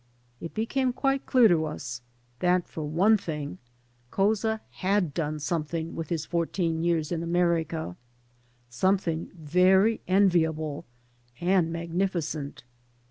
It became quite clear to us that, for one thing, Couza had done something with his fourteen years in America, something very enviable and mag nificent.